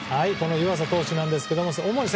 湯浅投手なんですけどね。